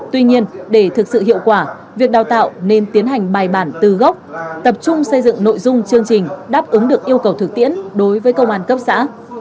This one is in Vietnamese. tuy nhiên để thực sự hiệu quả việc đào tạo nên tiến hành bài bản từ gốc tập trung xây dựng nội dung chương trình đáp ứng được yêu cầu thực tiễn đối với công an cấp xã